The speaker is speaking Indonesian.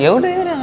yaudah ya yaudah ya